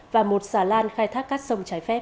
và một xà lan khai thác cát sông trái phép